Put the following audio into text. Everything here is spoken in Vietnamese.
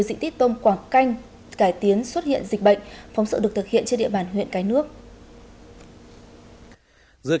xuất hiện dịch bệnh phóng sự được thực hiện trên địa bàn huyện cái nước